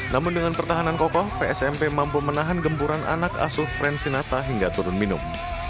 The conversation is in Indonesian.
namun dengan pertahanan kokoh psmp mampu menahan gempuran anak asuh fren sinata hingga turun minum